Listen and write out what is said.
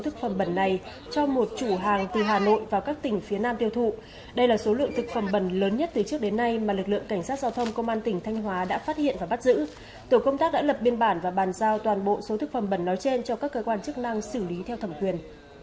chúng ta đã lập biên bản và bàn giao toàn bộ số thức phẩm bẩn nói trên cho các cơ quan chức năng xử lý theo thẩm quyền